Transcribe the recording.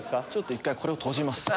１回これを閉じます。